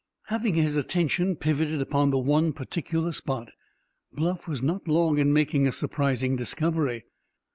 Having his attention pivoted upon the one particular spot, Bluff was not long in making a surprising discovery.